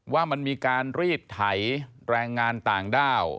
ว่ามันมีการรีดไถแรงงานต่างด้าว